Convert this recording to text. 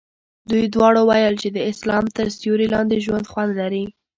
دوی دواړو ویل چې د اسلام تر سیوري لاندې ژوند خوند لري.